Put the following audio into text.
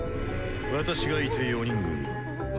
私がいて４人組。